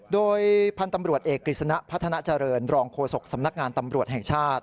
โดยพันธุ์ตำรวจเอกกฤษณะพัฒนาเจริญรองโฆษกสำนักงานตำรวจแห่งชาติ